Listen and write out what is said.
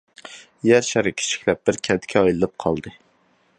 يەر شارى كىچىكلەپ بىر كەنتكە ئايلىنىپ قالدى.